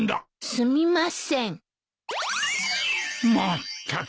すみません。